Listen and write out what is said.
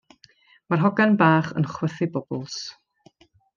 Mae'r hogan bach yn chwythu bybls.